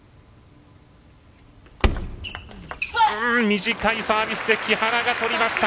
短いサービスで木原が取りました。